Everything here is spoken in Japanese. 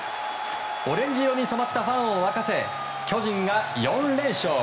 オレンジ色に染まったファンを沸かせ、巨人が４連勝！